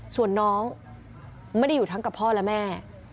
ส่วนน้องไม่ได้อยู่ทั้งกับพ่อและแม่